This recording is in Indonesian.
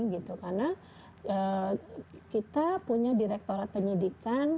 karena kita punya direktorat penyidikan